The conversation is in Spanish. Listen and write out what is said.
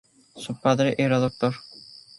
Su padre era doctor.